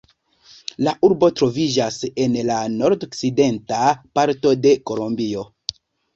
La urbo troviĝas en la nordokcidenta parto de Kolombio.